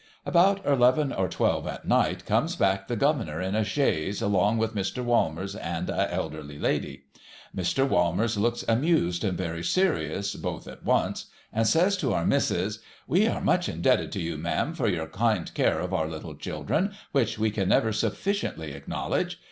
About eleven or twelve at night comes back the Governor in a chaise, along with Mr. Walmers and a elderly lady. Mr. Walmers looks amused and very serious, both at once, and says to our missis, ' We are much indebted to you, ma'am, for your kind care of our little children, which we can never sufficiently acknowledge.